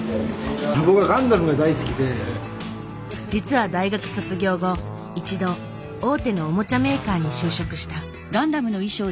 実は大学卒業後一度大手のおもちゃメーカーに就職した。